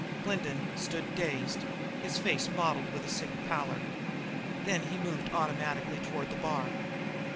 Glendin stood dazed, his face mottled with a sick pallor. Then he moved automatically toward the bar.